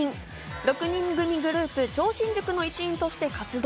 ６人組グループ、超新塾の一員として活動。